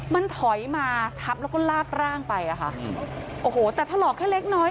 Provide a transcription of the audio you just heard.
มันถอยมาทับแล้วก็ลากร่างไปอ่ะค่ะโอ้โหแต่ถลอกแค่เล็กน้อย